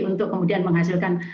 untuk kemudian menghasilkan